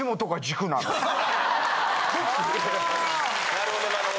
・なるほどなるほど・